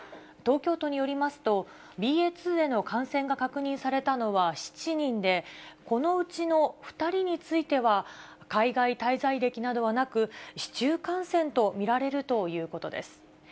東京都によりますと、ＢＡ．２への感染が確認されたのは７人で、このうちの２人については、海外滞在歴などはなく、市中感染と見られるということです。